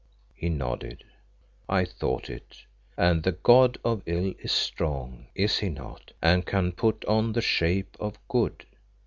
He nodded. "I thought it. And the god of ill is strong, is he not, and can put on the shape of good?